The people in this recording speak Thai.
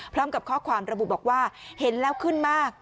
พร้อมกับข้อความระบุบอกว่าเห็นแล้วขึ้นมาก